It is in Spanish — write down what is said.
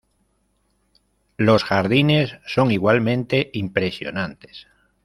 Los jardines son igualmente impresionantes.